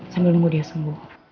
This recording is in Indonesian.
sambil nunggu dia sembuh